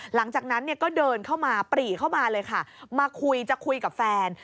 หลังจากนั้นเนี่ยก็เดินเข้ามาปรีเข้ามาเลยค่ะมาคุยจะคุยกับแฟน